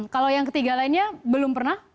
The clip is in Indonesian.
kalau yang ketiga lainnya belum pernah